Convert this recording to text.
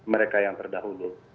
mereka yang terdahulu